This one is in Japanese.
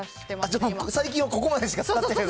じゃあ、最近はここまでしかつかってないの？